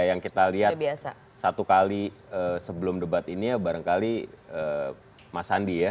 yang kita lihat satu kali sebelum debat ini ya barangkali mas sandi ya